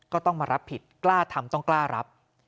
ก็ต้องมารับผิดกล้าทำต้องกล้ารับ